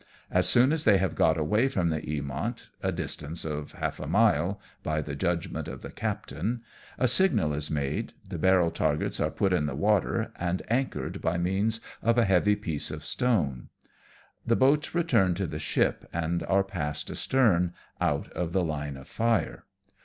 As soon as they have got away from the Eamont, a distance of half a mile by the judgment of the captain, a signal is made, the barrel targets are piit in the water, and anchored by means of a heavy piece of stone. The boats return to the ship, and are passed astern, out of the line of fire.